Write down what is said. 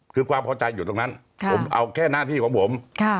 คือความพอใจอยู่ตรงนั้นผมเอาแค่หน้าที่ของผม